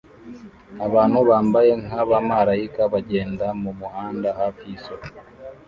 Abantu bambaye nkabamarayika bagenda mumuhanda hafi yisoko